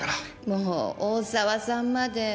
もう大沢さんまで。